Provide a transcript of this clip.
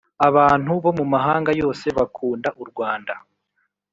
abantu bo mu mahanga yose bakunda urwanda